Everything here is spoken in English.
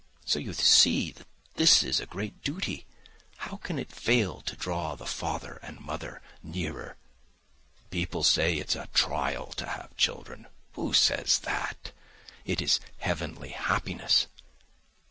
So you see this is a great duty. How can it fail to draw the father and mother nearer? People say it's a trial to have children. Who says that? It is heavenly happiness!